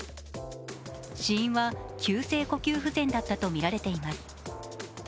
死因は急性呼吸不全だったとみられています。